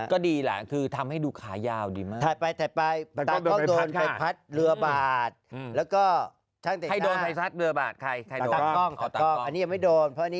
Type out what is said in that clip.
ก็ดีแหละคือทำให้ดูขายาวดีมาก